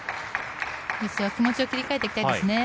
気持ちを切り替えていきたいですね。